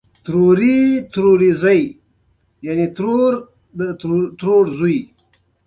ازادي راډیو د روغتیا په اړه د ښځو غږ ته ځای ورکړی.